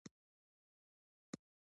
عسکرو زه کش کړم او په لاره تګ راته ګران و